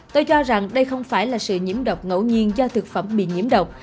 tôi cho rằng đây không phải là sự nhiễm độc ngẫu nhiên do thực phẩm bị nhiễm độc